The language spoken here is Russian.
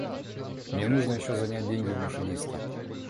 Мне нужно еще занять деньги у машиниста.